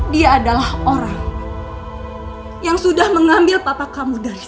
dia adalah orang yang sudah mengambil tata kamu dari